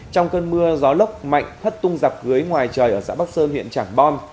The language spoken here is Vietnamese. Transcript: trong cơn mưa gió lốc mạnh thất tung giảp cưới ngoài trời ở xã bắc sơn huyện trảng bom